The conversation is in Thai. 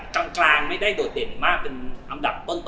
กลางกลางไม่ได้โดดเด่นมากเป็นอันดับต้น